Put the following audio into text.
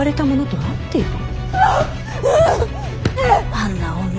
あんな女。